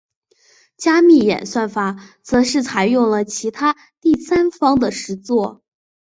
加密演算法则是采用了其他第三方的实作。